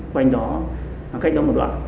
quanh đó cách đó một đoạn